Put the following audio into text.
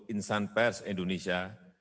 insan pers indonesia